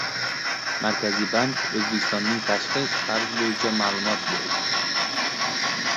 Markaziy bank O‘zbekistonning tashqi qarzi bo‘yicha ma’lumot berdi